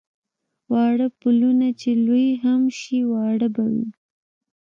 واړه پلونه چې لوی هم شي واړه به وي.